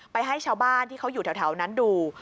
ให้ชาวบ้านที่เขาอยู่แถวนั้นดู